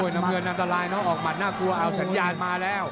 น้ำเงินอันตรายน้องออกหมัดน่ากลัวเอาสัญญาณมาแล้ว